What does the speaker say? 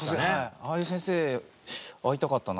ああいう先生会いたかったな。